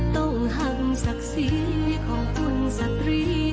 ต้องหักศักดิ์ศรีของคุณสตรี